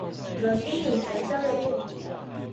來宣傳這週日的議程